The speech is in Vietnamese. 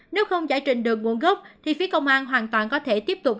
nếu không giải trình được nguồn gốc thì phía công an hoàn toàn có thể tiếp tục